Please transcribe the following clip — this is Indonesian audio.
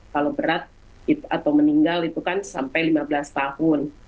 kalau berat atau meninggal itu kan sampai lima belas tahun